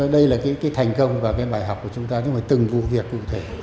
đây là thành công và bài học của chúng ta nhưng mà từng vụ việc cụ thể